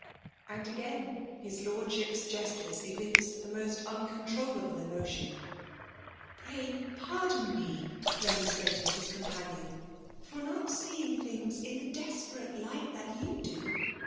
*') And again, his Lorddisp*s gestures evinced Ibe most uacontrolIaUe emotion. '' Vny, pardon me,^ nmoostrated his comi panion, '' tbr not seeing ihingB in the desperate light that you do.